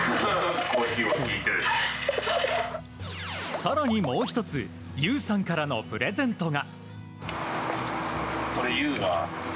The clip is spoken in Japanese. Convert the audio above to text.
更に、もう１つ優さんからのプレゼントが。